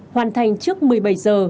hoàn thành trước một mươi bảy h